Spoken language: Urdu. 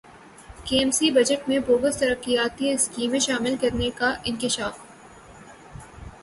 کے ایم سی بجٹ میں بوگس ترقیاتی اسکیمیں شامل کرنیکا انکشاف